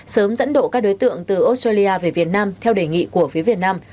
sớm dẫn độ các đối tượng từ australia về việt nam theo đề nghị của phía việt nam